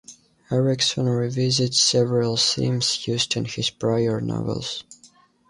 Erikson revisits several themes used in his prior novels.